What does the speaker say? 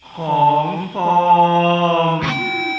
ของฟอง